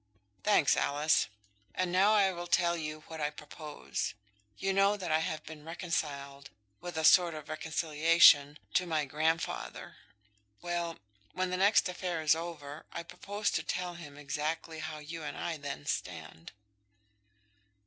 "Thanks, Alice. And now I will tell you what I propose. You know that I have been reconciled, with a sort of reconciliation, to my grandfather? Well, when the next affair is over, I propose to tell him exactly how you and I then stand."